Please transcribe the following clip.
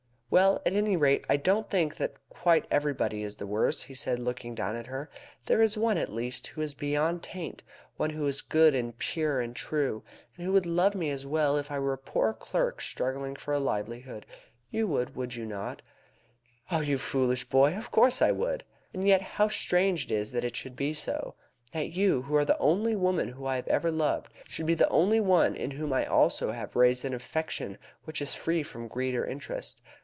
"Well, at any rate, I don't think that quite everybody is the worse," said he, looking down at her. "There is one, at least, who is beyond taint, one who is good, and pure, and true, and who would love me as well if I were a poor clerk struggling for a livelihood. You would, would you not, Laura?" "You foolish boy! of course I would." "And yet how strange it is that it should be so. That you, who are the only woman whom I have ever loved, should be the only one in whom I also have raised an affection which is free from greed or interest.